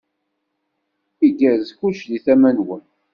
Igerrez kullec di tama-nwen.